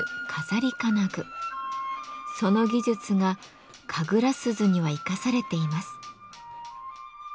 その技術が神楽鈴には生かされています。